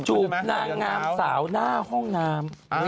จูบนางงามสาวหน้าห้องน้ำ